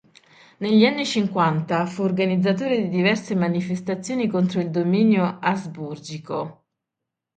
Negli anni cinquanta fu organizzatore di diverse manifestazioni contro il dominio asburgico.